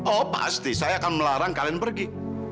oh pasti saya akan melarang kalian pergi